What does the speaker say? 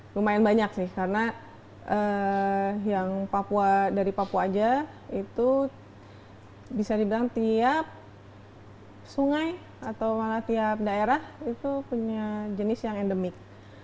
lumayan banyak sih karena yang dari papua aja itu bisa dibilang tiap sungai atau malah tiap daerah itu punya jenis yang endemik